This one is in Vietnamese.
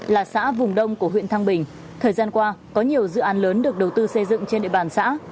là xã vùng đông của huyện thăng bình thời gian qua có nhiều dự án lớn được đầu tư xây dựng trên địa bàn xã